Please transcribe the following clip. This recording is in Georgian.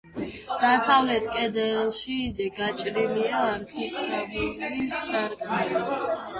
დასავლეთ კედელში გაჭრილია არქიტრავული სარკმელი.